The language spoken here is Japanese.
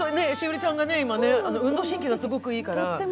栞里ちゃんが、今ね、運動神経がすごくいいから。